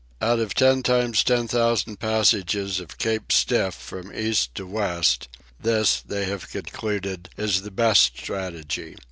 Out of ten times ten thousand passages of Cape Stiff from east to west, this, they have concluded, is the best strategy.